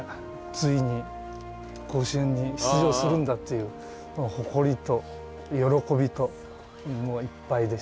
ついに甲子園に出場するんだという誇りと喜びともういっぱいでしたね。